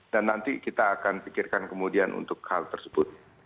nanti kita akan pikirkan kemudian untuk hal tersebut